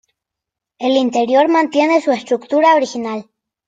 El interior mantiene su estructura original.